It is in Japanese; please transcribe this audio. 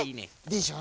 でしょ？